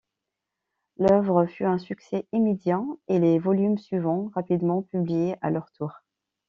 L'œuvre fut un succès immédiat, et les volumes suivants rapidement publiés à leur tour.